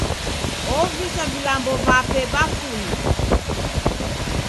Ovisa vilambo vape bafunyi.